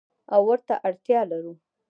او ورته اړتیا لرو.